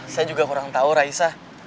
saya juga kurang tahu raisa